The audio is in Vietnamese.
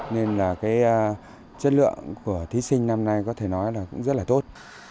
nên là cái chất lượng của thí sinh năm nay có thể nói là cũng rất là tốt